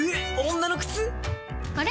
女の靴⁉あれ？